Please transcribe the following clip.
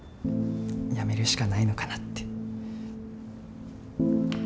やめるしかないのかなって。